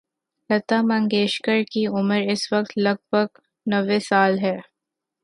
لتا منگیشکر کی عمر اس وقت لگ بھگ نّوے سال ہے۔